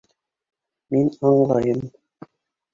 Мин анлайым...